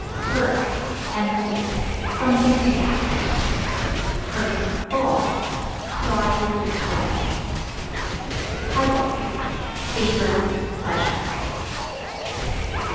Purse (Empty) something to get; (full) pride, disquiet. Puzzle Favors, pleasure.